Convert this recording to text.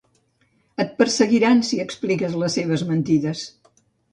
Et perseguiran si expliques les seves mentides.